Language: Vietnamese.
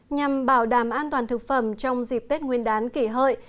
nhằm bảo đảm an toàn thực phẩm trong dịp tết nguyên đán kỷ hợi